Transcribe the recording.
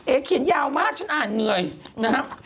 เขียนยาวมากฉันอ่านเหนื่อยนะครับ